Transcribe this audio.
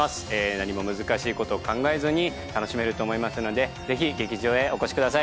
何も難しいことを考えずに楽しめると思いますのでぜひ劇場へお越しください